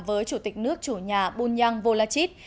với chủ tịch nước chủ nhà bunyang volachit